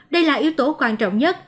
đây là yếu tố quan trọng nhất